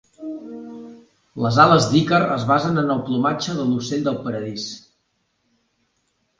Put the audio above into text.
Les ales d'Ícar es basen en el plomatge de l'ocell del paradís.